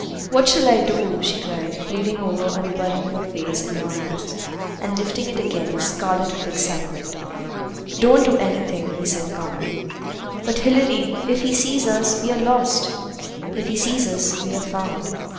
"What shall I do?" she cried, leaning over and burying her face in her hands, and lifting it again, scarlet with excitement. "Don't do anything," he said calmly. "But Hilary, if he sees us, we are lost." "If he sees us, we are found."